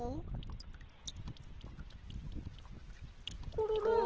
コロロ？ん？